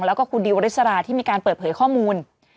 แล้วก็คุณดิวอริสราที่มีการเปิดเผยข้อมูล